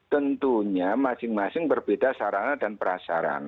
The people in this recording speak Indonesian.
tentunya masing masing berbeda sarana dan prasarana